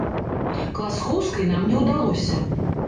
Класкоўскай нам не ўдалося.